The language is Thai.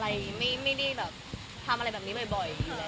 จริงปั้นไม่ได้ทำอะไรแบบนี้บ่อย